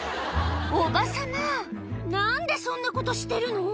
おば様、なんでそんなことしてるの？